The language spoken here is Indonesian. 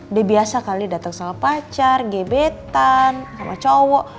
udah biasa kali dateng sama pacar gebetan sama cowok